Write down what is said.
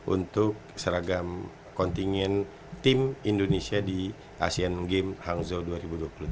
untuk seragam kontingen tim indonesia di asean games hangzhou dua ribu dua puluh tiga